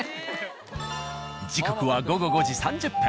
時刻は午後５時３０分。